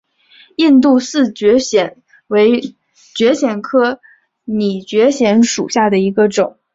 印度拟蕨藓为蕨藓科拟蕨藓属下的一个种。